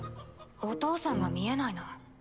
お父さんが見えないな。